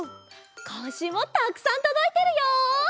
こんしゅうもたくさんとどいてるよ！